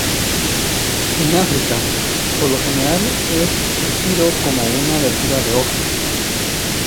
En África, por lo general es cocido como una verdura de hoja.